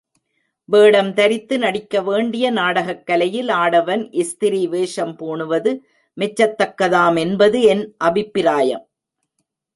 வேடம் தரித்து நடிக்க வேண்டிய நாடகக் கலையில், ஆடவன் ஸ்திரீ வேஷம் பூணுவது மெச்சத்தக்கதாம் என்பது என் அபிப்பிராயம்.